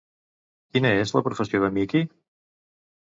Quina és la professió de Mickey?